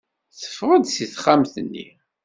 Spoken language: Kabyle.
Teffeɣ-d seg texxamt-nni.